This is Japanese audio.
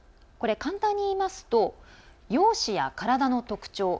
これ、簡単に言いますと容姿や体の特徴